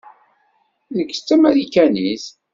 Nekk d Tamarikanit.